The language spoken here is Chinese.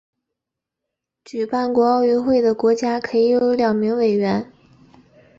举办过奥运会的国家可以有两名委员。